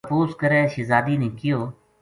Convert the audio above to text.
تپوس کرے شہزادی نے کہیو